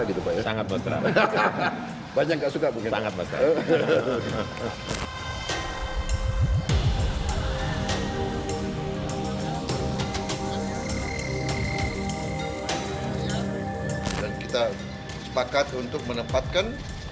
dan kita sepakat untuk menempatkan